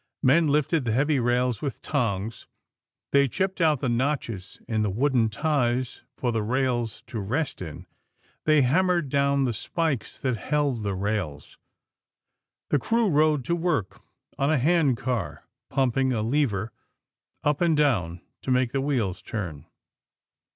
Men lifted the heavy rails with tongs. They chipped out the notches in the wooden ties for the rails to rest in. They hammered down the spikes that held the rails. The crew rode to work on a handcar, pumping a lever up and down to make the wheels turn.